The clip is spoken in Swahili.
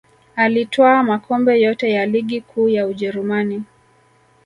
Alitwaa makombe yote ya ligi kuu ya ujerumani